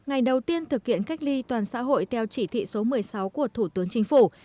ngày đầu tiên thực hiện cách ly toàn xã hội theo chỉ thị số một mươi sáu của thủ tướng chính phủ